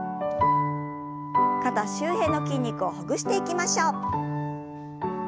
肩周辺の筋肉をほぐしていきましょう。